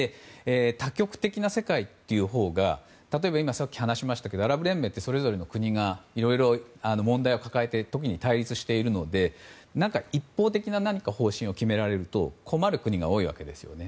多極的な世界というほうが例えば、さっき話したようにアラブ連盟って、それぞれの国がいろいろ問題を抱えて特に対立しているので何か一方的な方針を決められると困る国が多いわけですね。